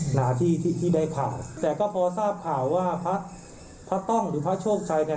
หน้าที่ที่ได้ข่าวแต่ก็พอทราบข่าวว่าพระพระต้องหรือพระโชคชัยเนี่ย